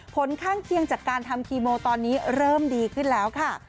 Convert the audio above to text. ผลข้างเคียงจากการทำคีโมตอนนี้เริ่มดีขึ้นแล้วค่ะ